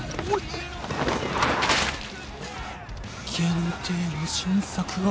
限定の新作が。